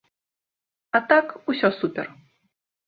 А так, усё супер.